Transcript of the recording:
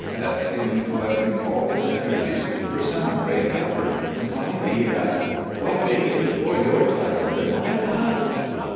Pet seemed collecting all his energies for some great effort; finally he asked: "What made you pour your dust into my pouch?"